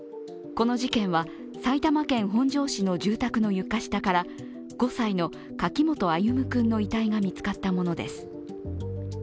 この事件は埼玉県本庄市の住宅の床下から５歳の柿本歩夢君の遺体が見つかったものです。